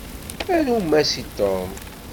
Arum-as i Tom!